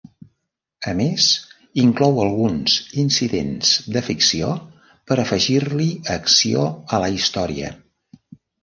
A més inclou alguns incidents de ficció per afegir-li acció a la història.